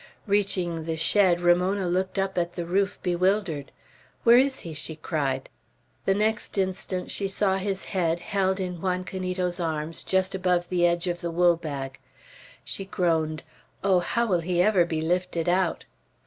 Reaching the shed, Ramona looked up to the roof bewildered. "Where is he?" she cried. The next instant she saw his head, held in Juan Canito's arms, just above the edge of the wool bag. She groaned, "Oh, how will he ever be lifted out!"